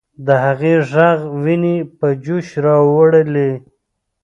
د هغې ږغ ويني په جوش راوړلې.